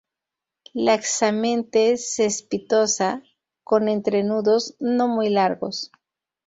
Laxamente cespitosa, con entrenudos no muy largos.